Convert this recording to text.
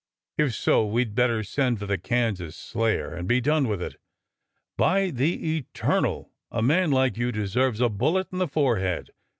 If so, we 'd better send for the Kansas slayer and be done with it! By the Eternal! a man like you deserves a bullet in the forehead!